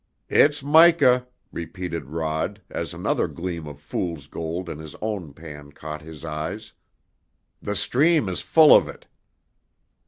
"It's mica," repeated Rod, as another gleam of "fool's gold" in his own pan caught his eyes. "The stream is full of it!"